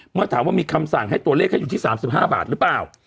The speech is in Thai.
เมื่อถามว่ามีคำสั่งให้ตัวเลขให้อยู่ที่๓๕บาทหรือเปล่า